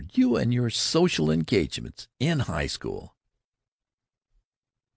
You and your social engagements! In high school!"